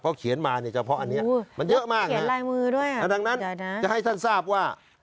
เขาเขียนมาเนี่ยเฉพาะอันนี้มันเยอะมากนะดังนั้นจะให้ท่านทราบว่า